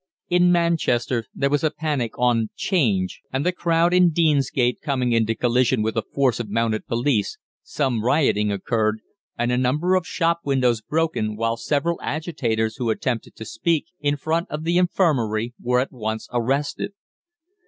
In Manchester there was a panic "on 'Change," and the crowd in Deansgate coming into collision with a force of mounted police, some rioting occurred, and a number of shop windows broken, while several agitators who attempted to speak in front of the infirmary were at once arrested.